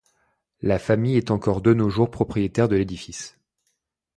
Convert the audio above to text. La famille est encore de nos jours propriétaire de l’édifice.